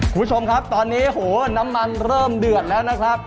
คุณผู้ชมครับตอนนี้โหน้ำมันเริ่มเดือดแล้วนะครับ